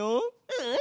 うん！